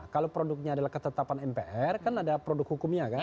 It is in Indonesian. kalau produknya adalah ketetapan mpr kan ada produk hukumnya kan